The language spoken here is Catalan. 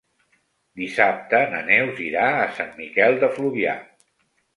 Dissabte na Neus irà a Sant Miquel de Fluvià.